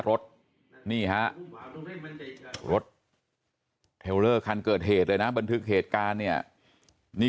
รถนี่ฮะรถเทลเลอร์คันเกิดเหตุเลยนะบันทึกเหตุการณ์เนี่ยนี่